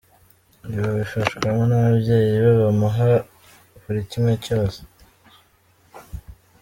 Ibi abifashwamo n’ababyeyi be bamuha buri kimwe cyose.